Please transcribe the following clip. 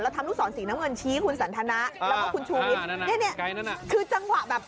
ทำลูกศรสีน้ำเงินชี้คุณสันทนะแล้วก็คุณชูวิทย์เนี่ยคือจังหวะแบบ